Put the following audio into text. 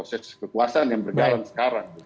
proses kekuasaan yang berjalan sekarang